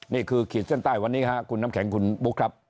ขีดเส้นใต้วันนี้ครับคุณน้ำแข็งคุณบุ๊คครับ